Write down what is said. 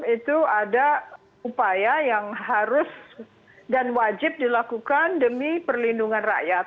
itu ada upaya yang harus dan wajib dilakukan demi perlindungan rakyat